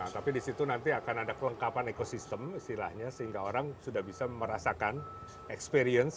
tapi di situ nanti akan ada kelengkapan ekosistem istilahnya sehingga orang sudah bisa merasakan experience